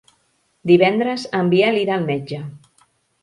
Divendres en Biel irà al metge.